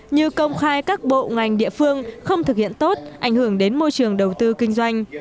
như công khai các bộ ngành địa phương không thực hiện tốt ảnh hưởng đến môi trường đầu tư kinh doanh